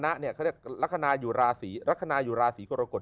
เขาเรียกว่ารักษณะอยู่ราศรีรักษณะอยู่ราศรีกรกฎ